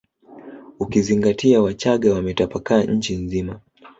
Ukizingatia wachaga wametapakaa nchi nzima